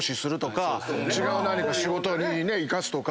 違う何か仕事に生かすとか。